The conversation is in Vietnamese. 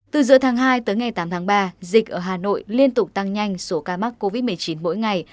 từ giữa tháng hai tới ngày tám tháng ba dịch ở hà nội liên tục tăng nhanh số ca mắc covid một mươi chín mỗi ngày